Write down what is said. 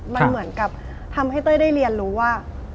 มันเหมือนกับทำให้เต้ยได้เรียนรู้ว่า